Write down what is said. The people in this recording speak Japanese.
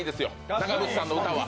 長渕さんの歌は。